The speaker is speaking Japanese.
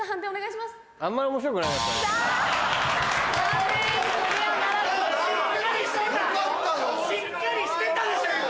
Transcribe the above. しっかりしてたでしょ今！